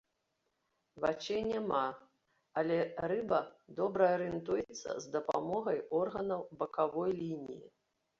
Вачэй няма, але рыба добра арыентуецца з дапамогай органаў бакавой лініі.